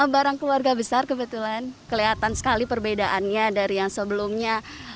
barang keluarga besar kebetulan kelihatan sekali perbedaannya dari yang sebelumnya